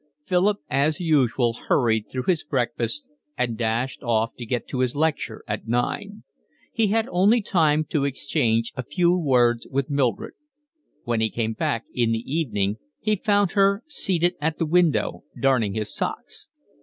Philip as usual hurried through his breakfast and dashed off to get to his lecture at nine. He had only time to exchange a few words with Mildred. When he came back in the evening he found her seated at the window, darning his socks.